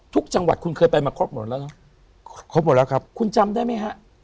จังหวัดคุณเคยไปมาครบหมดแล้วเนอะครบหมดแล้วครับคุณจำได้ไหมฮะ